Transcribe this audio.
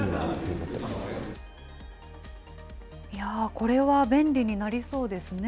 これは便利になりそうですね。